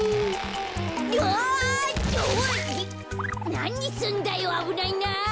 なにすんだよあぶないな！